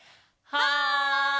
はい。